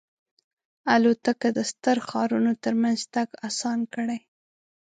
الوتکه د ستر ښارونو ترمنځ تګ آسان کړی.